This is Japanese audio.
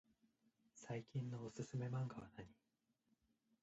最近のおすすめマンガはなに？